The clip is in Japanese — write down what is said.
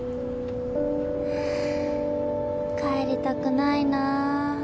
帰りたくないな。